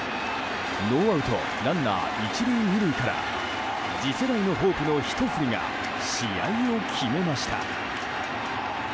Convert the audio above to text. ノーアウトランナー１塁２塁から次世代のホープのひと振りが試合を決めました。